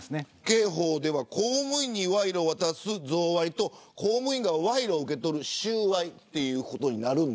刑法では公務員に賄賂を渡す贈賄と公務員が賄賂を受け取る収賄ということになるんですね。